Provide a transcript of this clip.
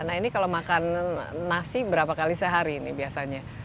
nah ini kalau makan nasi berapa kali sehari ini biasanya